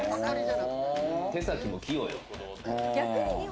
手先も器用やわ。